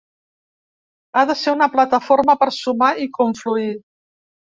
Ha de ser una plataforma per sumar i confluir.